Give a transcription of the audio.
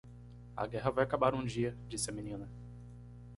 "A guerra vai acabar um dia?" disse a menina.